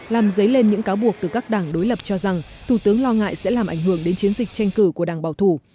làm dấy lên những cáo buộc từ các đảng đối lập cho rằng thủ tướng lo ngại sẽ làm ảnh hưởng đến chiến dịch tranh cử của đảng bảo thủ